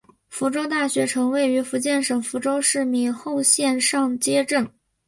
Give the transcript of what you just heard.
福州大学城位于福建省福州市闽侯县上街镇。